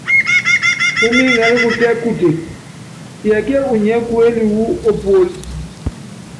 Púmíŋɛlɛ kutɛ́ kutek, tiɛkíɛ inyiɛ kuéli wu ópuólí?